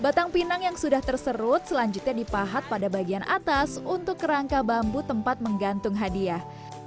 batang pinang yang sudah terserut selanjutnya dipahat pada bagian atas untuk kerangka bambu tempat menggantung hadiah